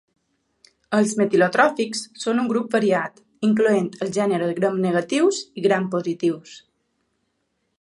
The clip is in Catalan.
Els metilotròfics són un grup variat, incloent els gèneres gramnegatius i grampositius.